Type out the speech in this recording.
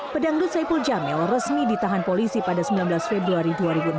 pedangdut saipul jamil resmi ditahan polisi pada sembilan belas februari dua ribu enam belas